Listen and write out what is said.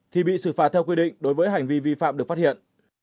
thì bị xử phạt theo quy định đối với hành vi vi phạm được phát hiện